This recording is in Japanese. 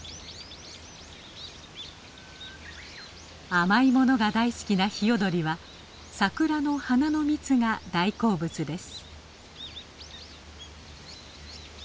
甘い物が大好きなヒヨドリはサクラの花の蜜が大好物です。